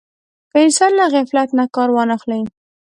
که انسان له غفلت نه کار وانه خلي.